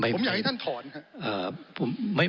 ผมอยากให้ท่านถอนครับ